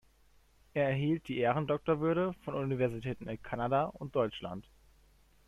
Er erhielt die Ehrendoktorwürde von Universitäten in Kanada und Deutschland.